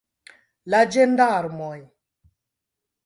La ĝendarmoj!